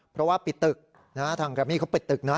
เพราะว่าปิดตึกทางแรมมี่เขาปิดตึกนะ